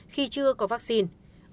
khi chưa có vaccine